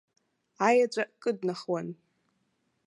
Аеҵәа кыднахуан.